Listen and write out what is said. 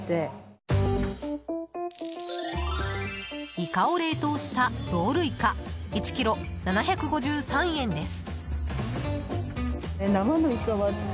イカを冷凍したロールイカ１ｋｇ、７５３円です。